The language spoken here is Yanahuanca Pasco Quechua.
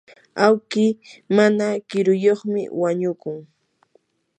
awki mana kiruyuqmi wañukun.